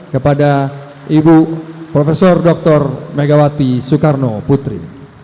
kepada ibu prof dr megawati soekarno putri